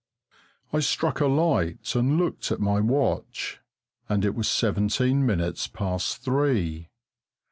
I struck a light and looked at my watch, and it was seventeen minutes past three.